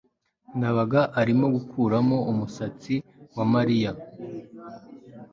ndabaga arimo gukuramo umusatsi wa mariya. (amastan